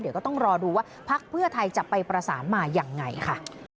เดี๋ยวก็ต้องรอดูว่าพักเพื่อไทยจะไปประสานมายังไงค่ะ